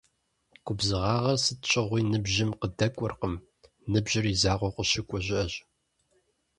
Губзыгъагъэр сыт щыгъуи ныбжьым къыдэкӏуэркъым - ныбжьыр и закъуэу къыщыкӏуэ щыӏэщ.